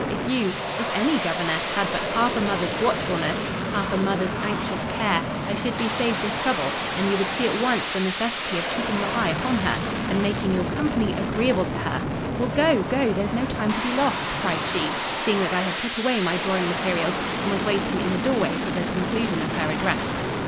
if you—if any governess had but half a mother's watchfulness—half a mother's anxious care, I should be saved this trouble; and you would see at once the necessity of keeping your eye upon her, and making your company agreeable to— Well, go—go; there's no time to be lost," cried she, seeing that I had put away my drawing materials, and was waiting in the doorway for the conclusion of her address.